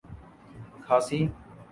کھاسی